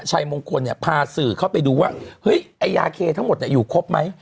ชัยมงคลเนี่ยพาสื่อเข้าไปดูว่าเฮ้ยไอ้ยาเคทั้งหมดอยู่ครบไหม